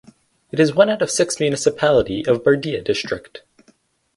It is one out of six municipality of Bardiya District.